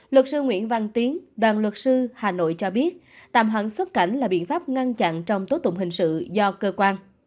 luật sư nguyễn văn tiến đoàn luật sư hà nội cho biết tạm hoãn xuất cảnh là biện pháp ngăn chặn trong tố tụng hình sự do cơ quan